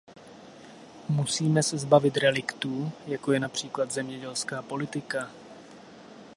Musíme se zbavit reliktů, jako je například zemědělská politika.